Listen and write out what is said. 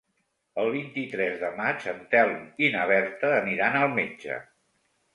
El vint-i-tres de maig en Telm i na Berta aniran al metge.